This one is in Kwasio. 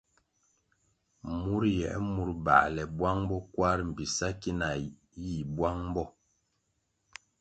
Mur yie mur bale bwang bo kwar bi sa ki na yih bwang bo.